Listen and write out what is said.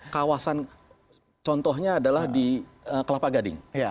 kawasan contohnya adalah di kelapa gading